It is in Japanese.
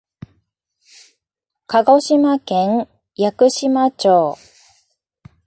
鹿児島県屋久島町